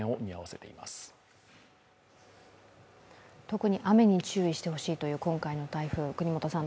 特に雨に注意してほしいという今回の台風、國本さん